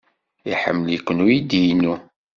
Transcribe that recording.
Iḥemmel-iken uydi-inu.